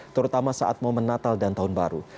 terutama saat momen natal dan tahun baru